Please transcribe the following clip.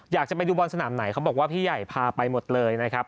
อยากจะไปดูบอลสนามไหนเขาบอกว่าพี่ใหญ่พาไปหมดเลยนะครับ